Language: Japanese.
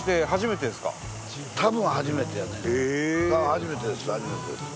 初めてです初めてです。